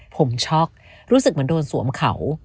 ผมช็อกรู้สึกเหมือนโดนสวมเขา